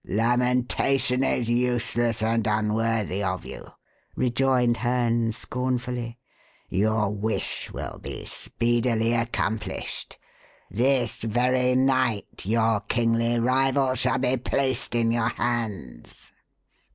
"Lamentation is useless and unworthy of you," rejoined Herne scornfully. "Your wish will be speedily accomplished. This very night your kingly rival shall be placed in your hands."